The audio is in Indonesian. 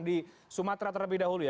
di sumatera terlebih dahulu ya